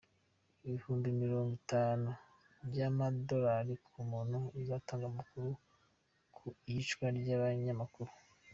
Ibihumbi mirongo itanu by’amadolari ku muntu uzatanga amakuru ku iyicwa ry’abanyamakuru